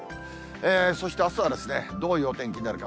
そしてあすは、どういうお天気になるか。